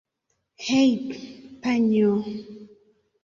Hej' panjo!